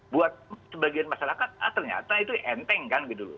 buat sebagian masyarakat ternyata itu enteng kan gitu